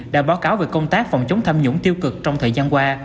đã báo cáo về công tác phòng chống tham nhũng tiêu cực trong thời gian qua